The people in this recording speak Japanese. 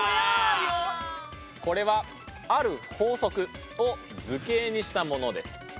これはある法則を図形にしたものです。